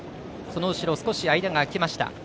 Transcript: その後ろ、少し間が空きました。